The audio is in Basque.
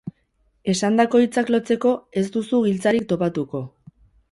Esandako hitzak lotzeko ez duzu giltzarik topatuko.